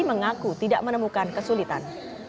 mengaku tidak menemukan kesulitan